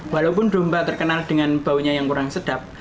walaupun domba terkenal dengan baunya yang kurang sedap